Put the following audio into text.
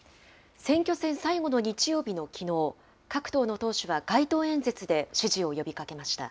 選挙戦最後の日曜日のきのう、各党の党首は街頭演説で支持を呼びかけました。